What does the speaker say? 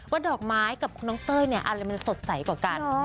ดอกไม้กับคุณน้องเต้ยเนี่ยอะไรมันสดใสกว่ากัน